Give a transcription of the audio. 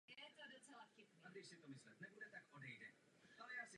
Prostitutka zjišťuje skutečnou identitu Maxe.